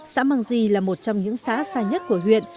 xã mang di là một trong những xã xa nhất của huyện